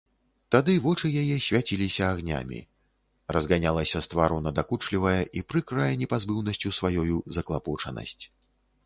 Тады вочы яе свяціліся агнямі, разганялася з твару надакучлівая і прыкрая непазбыўнасцю сваёю заклапочанасць.